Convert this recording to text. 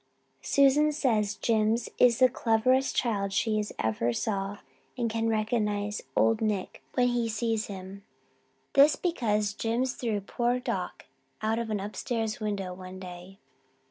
Susan says Jims is the cleverest child she ever saw and can recognize Old Nick when he sees him this because Jims threw poor Doc out of an upstairs window one day.